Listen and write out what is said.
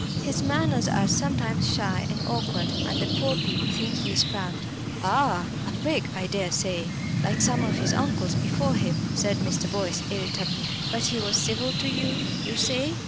His manners are sometimes shy and awkward, and the poor people think he's proud." "Ah! a prig I dare say like some of his uncles before him," said Mr. Boyce, irritably. "But he was civil to you, you say?"